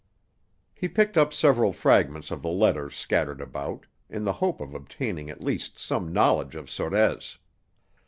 He picked up several fragments of the letters scattered about, in the hope of obtaining at least some knowledge of Sorez.